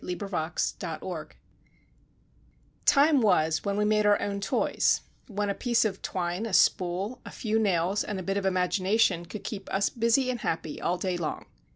The Art of Playing Time was when we made our own toys; when a piece of twine, a spool, a few nails and a bit of imagination could keep us busy and happy all day long.